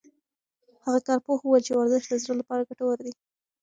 هغه کارپوه وویل چې ورزش د زړه لپاره ګټور دی.